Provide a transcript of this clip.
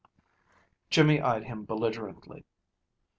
Jimmy eyed him belligerently.